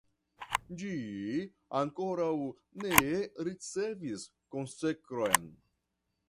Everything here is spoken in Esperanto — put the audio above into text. Ĝi ankoraŭ ne ricevis konsekron.